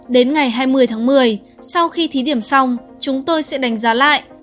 đến ngày hai mươi tháng một mươi sau khi thí điểm xong chúng tôi sẽ đánh giá lại